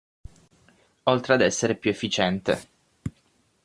Oltre ad essere più efficiente.